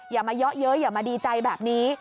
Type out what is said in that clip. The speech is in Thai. อย่ามาเยอะเยอะอย่ามาดีใจแบบนี้